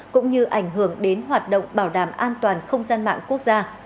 cũng như ảnh hưởng đến hoạt động bảo đảm an toàn không gian mạng quốc gia